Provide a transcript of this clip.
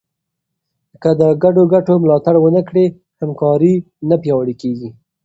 که د ګډو ګټو ملاتړ ونه کړې، همکاري نه پیاوړې کېږي.